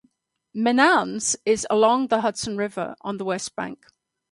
Menands is along the Hudson River on the west bank.